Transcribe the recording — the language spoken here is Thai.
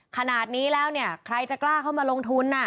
ขนาดนี้แล้วเนี่ยใครจะกล้าเข้ามาลงทุน